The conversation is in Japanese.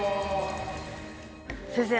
先生